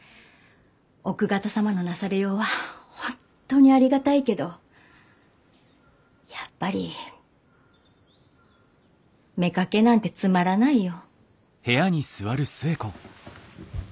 奥方様のなされようは本当にありがたいけどやっぱり妾なんてつまらないよ。